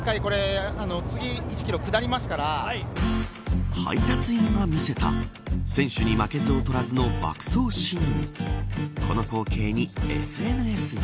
ここ２１キロで配達員が見せた選手に負けず劣らずの爆走シーン。